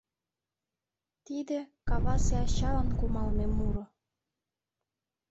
Тиде — Кавасе Ачалан кумалме муро.